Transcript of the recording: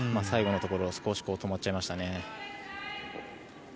最後のところ少し止まっちゃいましたね。